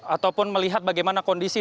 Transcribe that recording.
ataupun melihat bagaimana kondisi